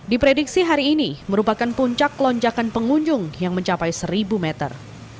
diprediksi hari ini merupakan puncak lonjakan pengunjung yang mencapai seribu meter